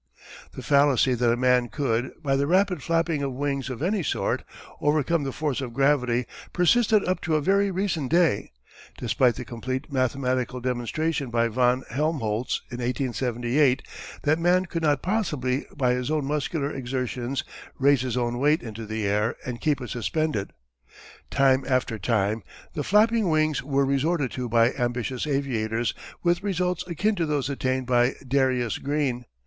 ] The fallacy that a man could, by the rapid flapping of wings of any sort, overcome the force of gravity persisted up to a very recent day, despite the complete mathematical demonstration by von Helmholtz in 1878 that man could not possibly by his own muscular exertions raise his own weight into the air and keep it suspended. Time after time the "flapping wings" were resorted to by ambitious aviators with results akin to those attained by Darius Green.